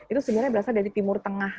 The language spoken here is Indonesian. itu sebenarnya berasal dari timur tengah